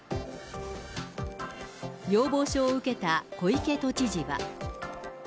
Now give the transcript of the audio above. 要望書を受けた小池都知事は。